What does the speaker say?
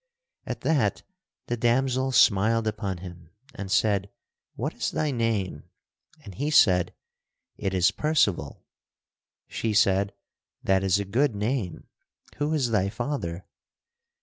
At that the damosel smiled upon him and said, "What is thy name?" And he said, "It is Percival." She said, "That is a good name; who is thy father?"